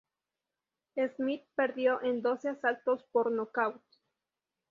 Smith perdió en doce asaltos por nocaut.